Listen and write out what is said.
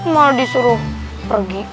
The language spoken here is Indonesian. malah disuruh pergi